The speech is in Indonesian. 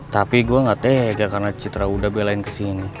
tapi gue gak tega karena citra udah belain kesini